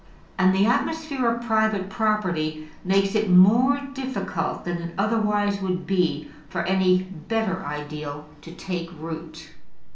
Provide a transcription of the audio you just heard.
And the atmosphere of private property makes it more difficult than it otherwise would be for any better ideal to take root.